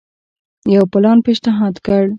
یو پلان پېشنهاد کړ.